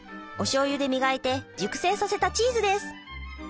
おしょうゆで磨いて熟成させたチーズです。